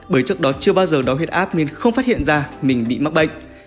bởi trước đó chưa bao giờ đo huyết áp nên không phát hiện ra mình bị mắc bệnh